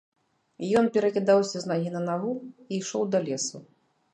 Ён перакідаўся з нагі на нагу і ішоў да лесу.